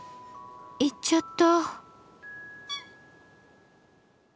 行っちゃった。